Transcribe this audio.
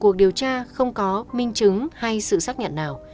cuộc điều tra không có minh chứng hay sự xác nhận nào